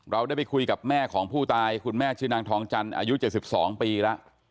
เราได้ไปคุยกับแม่ของผู้ตายคุณแม่ชื่อนางทองจันทร์อายุ๗๒ปีแล้ว